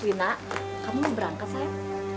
wina kamu mau berangkat sayang